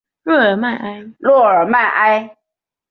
洛尔迈埃。